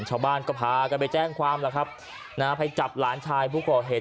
ชาวบ้านก็พากันไปแจ้งความแล้วครับนะฮะไปจับหลานชายผู้ก่อเหตุ